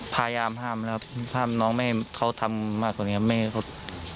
พยายามห้ามนะครับห้ามน้องไม่ให้เขาทำมากกว่านี้ครับ